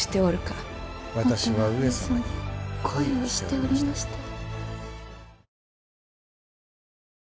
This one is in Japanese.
もとは上様に恋をしておりましたよ。